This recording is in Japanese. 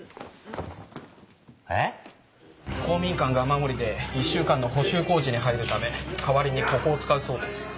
えっ⁉公民館が雨漏りで１週間の補修工事に入るため代わりにここを使うそうです。